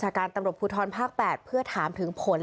ทุกคนมีกำลังใจดีครับ